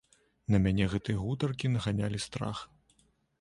На мяне гэтыя гутаркі наганялі страх.